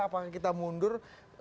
apakah kita mundur